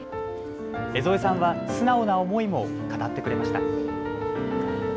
江副さんは素直な思いも語ってくれました。